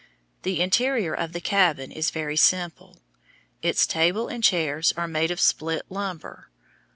The interior of the cabin is very simple. Its table and chairs are made of split lumber.